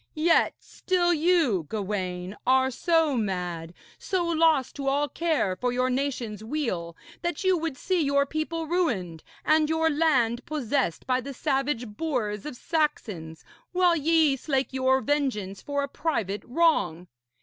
Yet still you, Gawaine, are so mad, so lost to all care for your nation's weal, that you would see your people ruined and your land possessed by the savage boars of Saxons, while ye slake your vengeance for a private wrong.